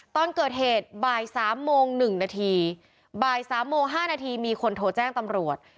ตอนเกิดเหตุบ่าย๓โมง๑นาทีบ่าย๓โมง๕นาทีมีคนโทรแจ้งตำรวจ